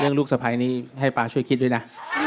ลูกสะพ้ายนี้ให้ป๊าช่วยคิดด้วยนะ